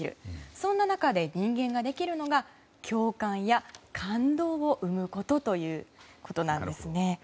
そんな中で人間ができるのは共感や感動を生むことということなんです。